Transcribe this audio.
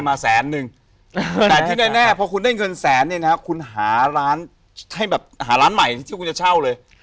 ไม่แน่พอคุณได้เงินแสนเนี่ยนะคุณหาร้านใหม่ที่คุณจะเช่าเลย